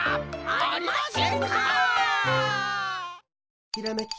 ありませんか！